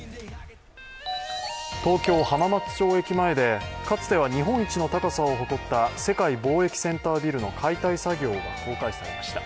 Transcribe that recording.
東京・浜松町駅前でかつては日本一の高さを誇った世界貿易センタービルの解体作業が公開されました。